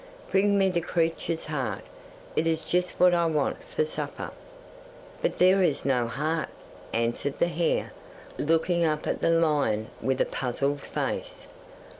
"Bring me the creature's heart; it is just what I want for supper." '"But there is no heart," answered the hare, looking up at the lion with a puzzled face.